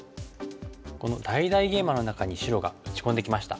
この大々ゲイマの中に白が打ち込んできました。